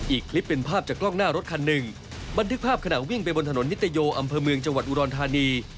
อีกคลิปเป็นภาพจากกล้องหน้ารถคันหนึ่งบันทึกภาพขณะวิ่งไปบนถนนนิตโยอำเภอเมืองจังหวัดอุดรธานี